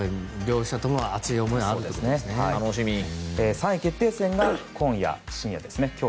３位決定戦が今夜、深夜ですね。